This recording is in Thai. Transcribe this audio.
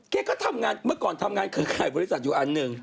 แกก็ทำงานเมื่อก่อนทำงานเครือข่ายบริษัทอยู่อันหนึ่ง